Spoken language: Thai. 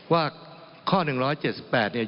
ว่าข้อ๑๗๘เนี่ย